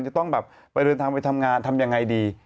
จะต้องแบบไปเดินทางไปทำงานทำยังไงดี